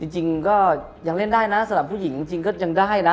จริงก็ยังเล่นได้นะสำหรับผู้หญิงจริงก็ยังได้นะ